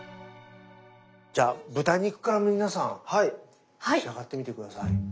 じゃあ豚肉から皆さん召し上がってみて下さい。